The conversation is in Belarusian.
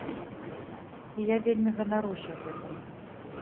І я вельмі ганаруся гэтым.